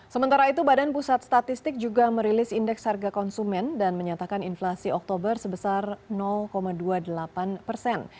sementara itu badan pusat statistik juga merilis indeks harga konsumen dan menyatakan inflasi oktober sebesar dua puluh delapan persen